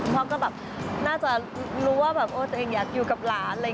พี่พ่อก็น่าจะรู้ว่าเขาอยากอยู่กับหลาด